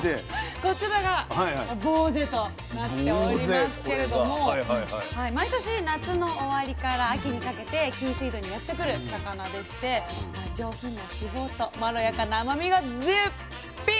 こちらがぼうぜとなっておりますけれども毎年夏の終わりから秋にかけて紀伊水道にやってくる魚でして上品な脂肪とまろやかな甘みが絶品！